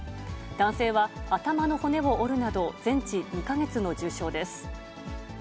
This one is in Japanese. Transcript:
男性は頭の骨を折るなど、全治２か月の重傷です。